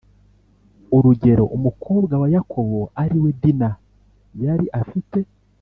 Urugero umukobwa wa Yakobo ari we Dina yari afite